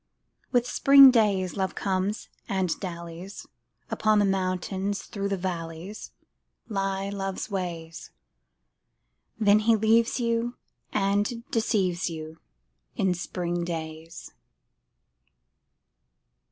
With spring days Love comes and dallies: Upon the mountains, through the valleys Lie Love's ways. Then he leaves you and deceives you In spring days.